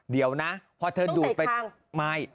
เดี๋ยวนะต้องใส่ทาง